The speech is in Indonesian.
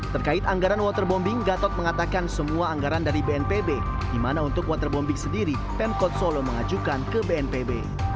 terkait anggaran waterbombing gatot mengatakan semua anggaran dari bnpb di mana untuk waterbombing sendiri pemkot solo mengajukan ke bnpb